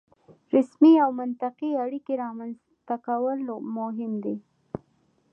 رسمي او منطقي اړیکې رامنځته کول مهم دي.